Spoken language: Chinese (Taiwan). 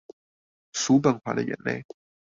叔本華的眼淚